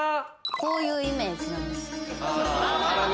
こういうイメージなんです。